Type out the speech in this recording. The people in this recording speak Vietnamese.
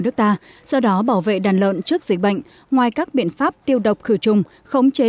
nước ta do đó bảo vệ đàn lợn trước dịch bệnh ngoài các biện pháp tiêu độc khử trùng khống chế